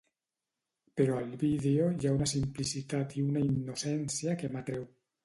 "Però al vídeo hi ha una simplicitat i una innocència que m'atreu.